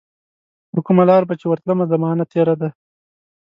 پرکومه لار به چي ورتلمه، زمانه تیره ده